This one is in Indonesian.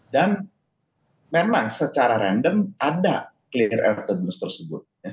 dan memang secara random ada clear air turbulensi tersebut